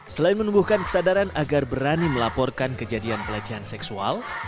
selain menumbuhkan kesadaran agar berani melaporkan kejadian pelecehan seksual